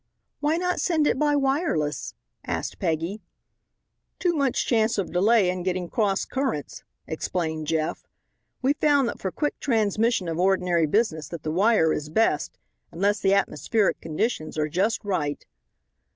"Why not send it by wireless?" asked Peggy. "Too much chance of delay and getting cross currents," explained Jeff. "We found that for quick transmission of ordinary business, that the wire is best, unless the atmospheric conditions are just right."